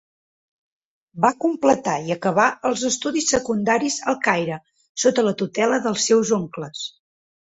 Va completar i acabar els estudis secundaris al Caire sota la tutela dels seus oncles.